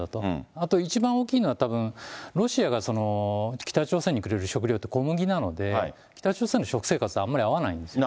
あと一番大きいのは、ロシアが北朝鮮にくれる食料って小麦なので、北朝鮮の食生活とあまり合わないんですね。